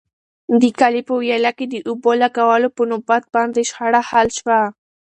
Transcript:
د کلي په ویاله کې د اوبو لګولو په نوبت باندې شخړه حل شوه.